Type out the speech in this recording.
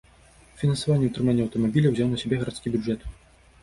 Фінансаванне ўтрымання аўтамабіля ўзяў на сябе гарадскі бюджэт.